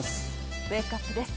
ウェークアップです。